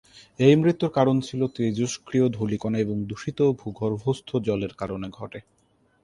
এই মৃত্যুর কারণ ছিল তেজস্ক্রিয় ধূলিকণা এবং দূষিত ভূগর্ভস্থ জলের কারণে ঘটে।